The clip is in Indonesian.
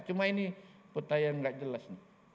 cuma ini petanya enggak jelas